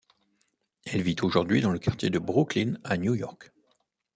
Elle vit aujourd'hui dans le quartier de Brooklyn à New York.